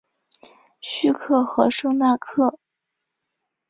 叙克和圣纳克。